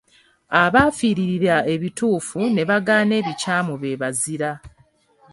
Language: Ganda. Abaafiiririra ebituufu ne bagaana ebikyamu be bazira.